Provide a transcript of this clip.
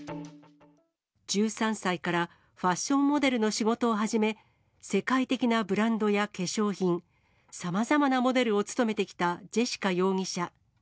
１３歳からファッションモデルの仕事を始め、世界的なブランドや化粧品、さまざまなモデルを務めてきたジェシカ容疑者。